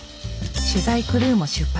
取材クルーも出発。